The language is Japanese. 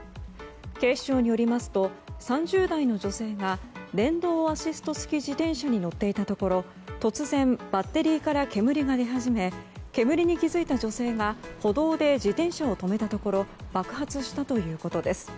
警視庁によりますと３０代の女性が電動アシスト付き自転車に乗っていたところ突然、バッテリーから煙が出始め煙に気づいた女性が歩道で自転車を止めたところ爆発したということです。